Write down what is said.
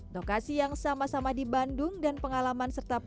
lokasi yang sama sama di bandung dan pengalaman serta pendidikan